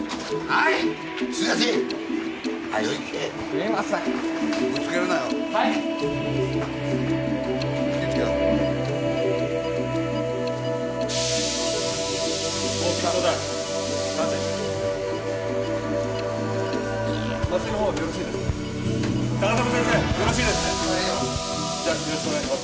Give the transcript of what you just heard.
いいよよろしくお願いします